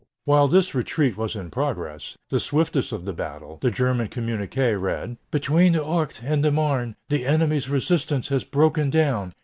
While this retreat was in progress, the swiftest of the battle, the German communiqué read: "Between the Ourcq and the Marne, the enemy's resistance has broken down.